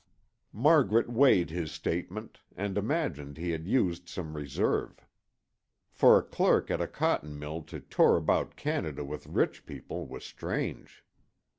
Margaret weighed his statement and imagined he had used some reserve. For a clerk at a cotton mill to tour about Canada with rich people was strange.